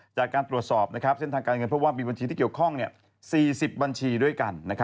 จากการตรวจสอบเส้นทางการเงินพบว่ามีบัญชีที่เกี่ยวข้อง๔๐บัญชีด้วยกัน